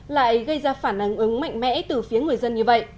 lại gây ra phản ứng mạnh mẽ từ phía người dân như vậy